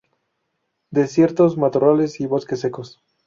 Desiertos, matorrales y bosques secos.